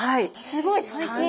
すごい最近。